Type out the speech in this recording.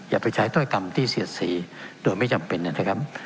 อย่าไปใช้ถ้อยกรรมที่เสียดสีโดยไม่จำเป็นนะครับ